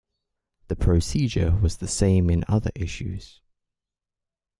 The procedure was the same in other issues.